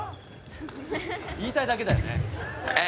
言いたいだけだよね。